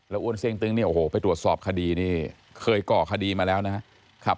อ้วนเสี่ยงตึงเนี่ยโอ้โหไปตรวจสอบคดีนี่เคยก่อคดีมาแล้วนะครับ